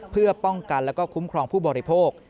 เพื่อป้องกันและคุ้มครองผู้บริโภค